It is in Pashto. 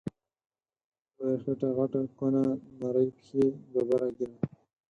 لویه خیټه غټه کونه، نرۍ پښی ببره ږیره